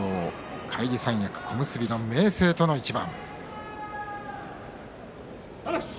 返り三役、小結の明生との一番。